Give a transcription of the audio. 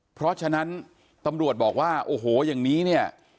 เพราะฉะนั้นตำรวจบอกว่าโอ้โหอย่างนี้เนี่ย